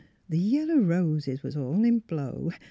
The yellow roses was all in blow.